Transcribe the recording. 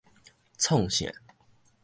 創啥